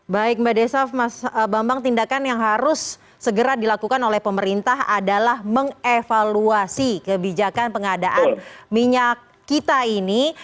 baik mbak desaf mas bambang tindakan yang harus segera dilakukan oleh pemerintah adalah mengevaluasi kebijakan pengadaan minyak kita ini